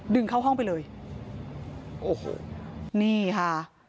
ดึงเข้าห้องไปเลยโอ้โหนี่ค่ะ